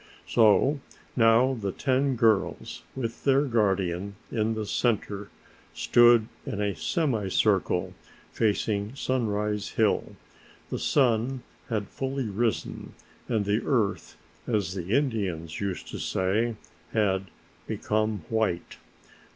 So now the ten girls with their guardian in the center stood in a semicircle facing Sunrise Hill. The sun had fully risen and the earth, as the Indians used to say, had "become white."